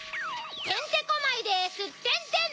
てんてこまいですってんてん！